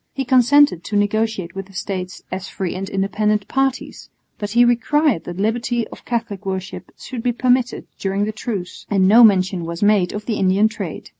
He consented to negotiate with the States "as free and independent" parties, but he required that liberty of Catholic worship should be permitted during the truce, and no mention was made of the Indian trade.